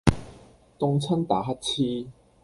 凍親打乞嗤